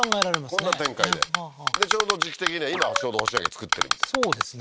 こんな展開でちょうど時季的には今はちょうど干し柿作ってるみたいなそうですね